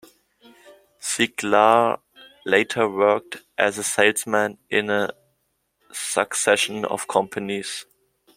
Ziglar later worked as a salesman in a succession of companies.